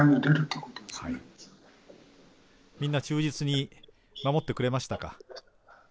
みんな忠実に守ってくれましたか？